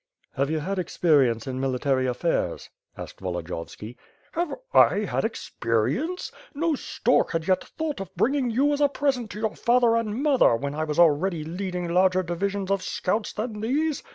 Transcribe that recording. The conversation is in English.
"Have you had experience in military affairs?" asked Volodiyovski. "Have I had experience! No stork had yet thought of bringing you as a present to your father and mother, when I was already leading larger divisions of scouts than these.